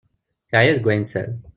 Teɛya deg wayen tessal.